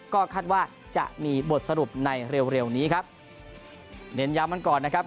ก็คาดว่าจะมีบทสรุปในเร็วเร็วนี้ครับเน้นย้ำกันก่อนนะครับ